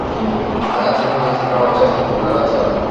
Dați-mi voie să dau această declarație acum.